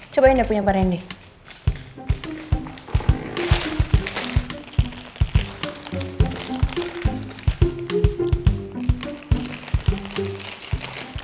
cobain dah punya pak randy